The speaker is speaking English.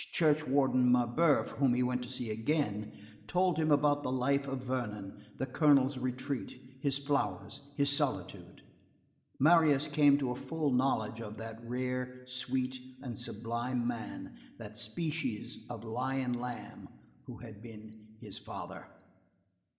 Church warden Mabeuf, whom he went to see again, told him about the life at Vernon, the colonel's retreat, his flowers, his solitude. Marius came to a full knowledge of that rare, sweet, and sublime man, that species of lion lamb who had been his father.